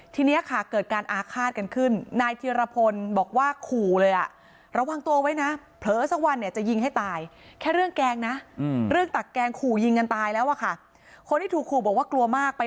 ทีนี้ค่ะเกิดการอาฆาตกันขึ้นนายเทียระพลบอกว่าขู่เลยอ่ะ